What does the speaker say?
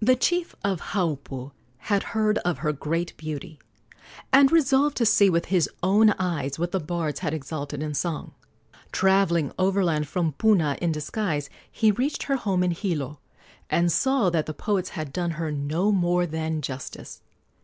The chief of Haupu had heard of her great beauty, and resolved to see with his own eyes what the bards had exalted in song. Travelling overland from Puna in disguise, he reached her home in Hilo, and saw that the poets had done her no more than justice.